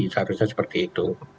seharusnya seperti itu